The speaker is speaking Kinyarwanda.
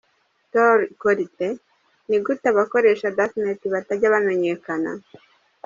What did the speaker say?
Tor ikora ite? Ni gute abakoresha Dark net batajya bamenyekana ?.